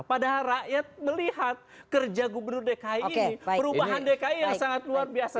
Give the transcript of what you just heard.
padahal rakyat melihat kerja gubernur dki ini perubahan dki yang sangat luar biasa